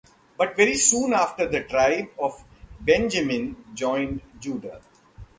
But very soon after the tribe of Benjamin joined Judah.